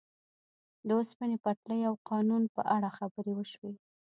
د اوسپنې پټلۍ او قانون په اړه خبرې وشوې.